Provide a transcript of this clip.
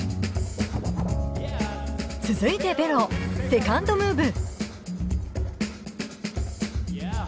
続いてＶｅｒｏ、セカンドムーブ。